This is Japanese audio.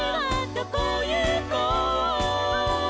「どこ行こう？」